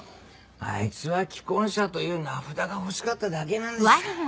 あいつは既婚者という名札が欲しかっただけなんです。